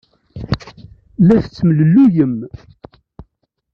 La tettemlelluyem.